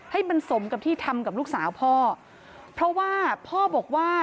ให้มันสมกับที่ทำกับลูกสาวพ่อเพราะว่าพ่อบอกว่า